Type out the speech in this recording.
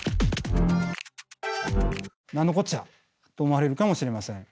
何のこっちゃ？と思われるかもしれません。